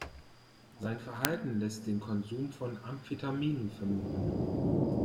Sein Verhalten lässt den Konsum von Amphetaminen vermuten.